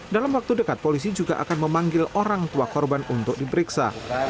dalam waktu dekat polisi juga akan memanggil orang tua korban untuk diperiksa